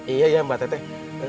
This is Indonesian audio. iya iya mbak teteh